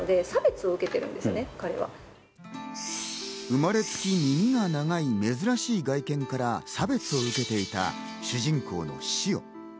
生まれつき耳が長い、珍しい外見から差別を受けていた主人公のシオ。